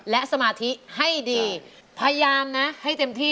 และสมาธิให้ดีพยายามนะให้เต็มที่